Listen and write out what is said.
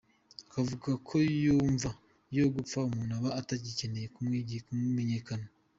Akavuga ko nyuma yo gupfa umuntu aba atagikeneye kumenyekana.